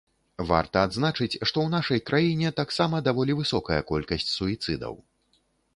Варта адзначыць, што ў нашай краіне таксама даволі высокая колькасць суіцыдаў.